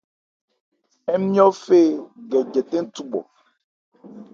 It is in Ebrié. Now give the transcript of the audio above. Ńmyɔ́ fê gɛ jɛtɛn thubhɔ.